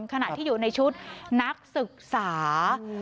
ขณะที่อยู่ในชุดนักศึกษา